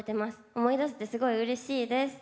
思い出せてすごいうれしいです。